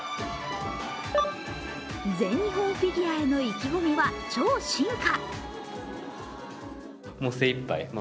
全日本フィギュアへの意気込みは超進化。